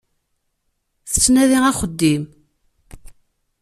Tettnadi axeddim.